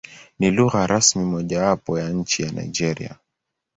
Ni lugha rasmi mojawapo ya nchi ya Nigeria.